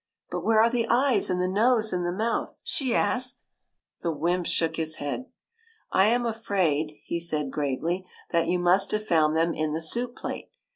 " But where are the eyes and the nose and the mouth ?" she asked. The wymp shook his head. " I am afraid," he said gravely, '* that you must have found them in the soup plate.